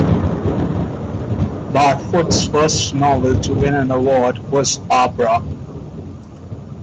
Barfoot's first novel to win an award was "Abra".